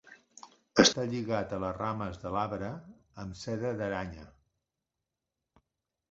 Està lligat a les rames de l'arbre amb seda d'aranya.